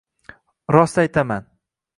Rost aytaman